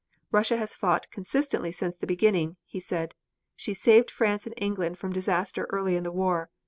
"Russia has fought consistently since the beginning," he said. "She saved France and England from disaster early in the war.